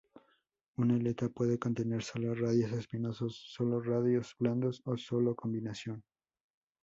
Una aleta puede contener sólo radios espinosos, sólo radios blandos, o una combinación.